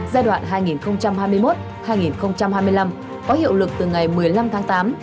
giai đoạn hai nghìn hai mươi một hai nghìn hai mươi năm có hiệu lực từ ngày một mươi năm tháng tám